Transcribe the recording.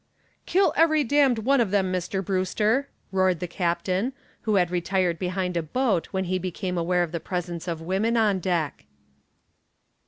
"Kill every damned one of them, Mr. Brewster," roared the captain, who had retired behind a boat when he became aware of the presence of women on deck.